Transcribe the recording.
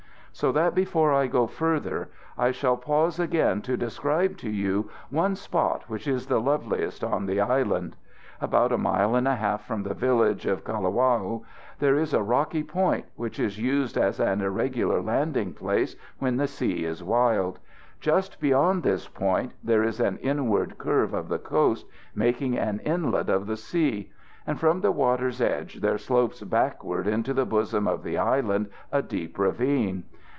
"So that before I go further, I shall pause again to describe to you one spot which is the loveliest on the island. About a mile and a half from the village of Kalawao there is a rocky point which is used as an irregular landing place when the sea is wild. Just beyond this point there is an inward curve of the coast, making an inlet of the sea; and from the water's edge there slopes backward into the bosom of the island a deep ravine.